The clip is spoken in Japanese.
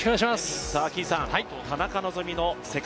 田中希実の世界